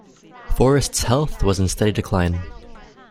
Forrest's health was in steady decline.